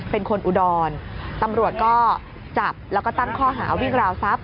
อุดรตำรวจก็จับแล้วก็ตั้งข้อหาวิ่งราวทรัพย